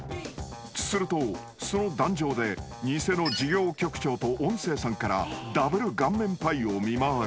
［するとその壇上でニセの事業局長と音声さんからダブル顔面パイを見舞われる］